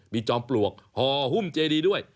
มีจอมปลวกห่อหุ้มเจดีด้วย